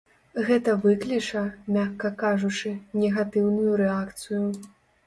Гэта выкліча, мякка кажучы, негатыўную рэакцыю.